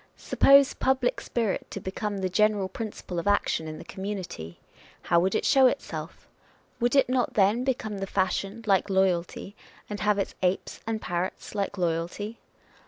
Suppose public spirit to become the general principle of action in the community â€" how would it show itself? Would it not then become the fashion, like loyalty, and have its apes and parrots, like loyalty?